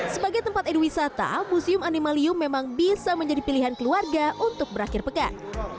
sebagai tempat edu wisata museum animalium memang bisa menjadi pilihan keluarga untuk berakhir pekan